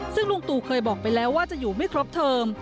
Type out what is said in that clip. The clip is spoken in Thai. ซึ่งลุงตู่เคยบอกไปแล้วว่าจะอยู่ไม่ครบเทอม